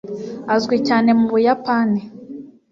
azwi cyane mu buyapani